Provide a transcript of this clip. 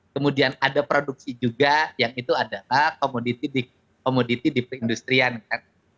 kemudian ada produksi juga yang itu adalah komoditi di perindustrian kan